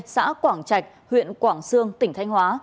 xã quảng trạch huyện quảng sương tỉnh thanh hóa